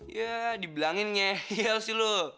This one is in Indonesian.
ya dibilanginnya iya sih lu